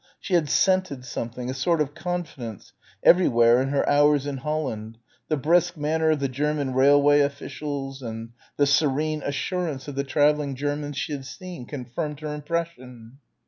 She had scented something, a sort of confidence, everywhere, in her hours in Holland, the brisk manner of the German railway officials and the serene assurance of the travelling Germans she had seen, confirmed her impression.